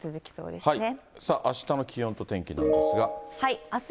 あしたの気温と天気なんです